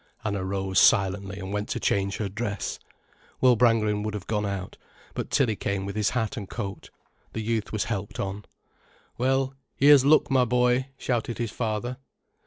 Anna rose silently and went to change her dress. Will Brangwen would have gone out, but Tilly came with his hat and coat. The youth was helped on. "Well, here's luck, my boy," shouted his father.